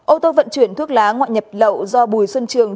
ô tô vận chuyển thuốc lá ngoại nhập lậu do bùi xuân trường